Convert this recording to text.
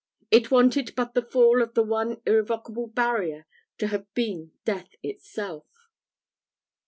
It wanted but the fall of the one irrevocable barrier to have been death itself.